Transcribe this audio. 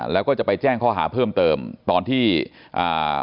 แล้วก็จะไปแจ้งข้อหาเพิ่มเติมตอนที่อ่า